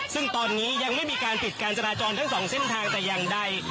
ซึ่งตอนนี้ยังไม่มีการปิดการจราจรทั้งสองเส้นทางแต่อย่างใด